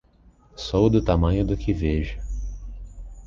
Sou do tamanho do que vejo!